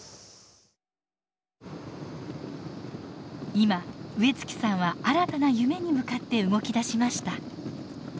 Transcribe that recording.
今植月さんは新たな夢に向かって動きだしました。